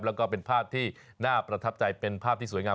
แล้วก็เป็นภาพที่น่าประทับใจเป็นภาพที่สวยงาม